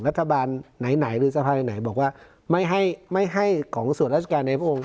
รัฐบาลไหนหรือสภาไหนบอกว่าไม่ให้ไม่ให้ของส่วนราชการในพระองค์